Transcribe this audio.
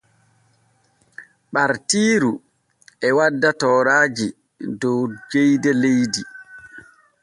Ɓartiiru e wadda tooraaji dow jeyde leydi.